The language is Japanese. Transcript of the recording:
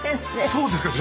そうですか？